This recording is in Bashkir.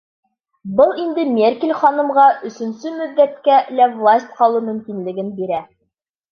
Был инде Меркель ханымға өсөнсө мөҙҙәткә лә власта ҡалыу мөмкинлеген бирә.